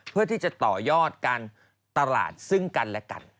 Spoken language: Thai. เพื่อที่จะต่อยอดการตลาดซึ่งกันและกัน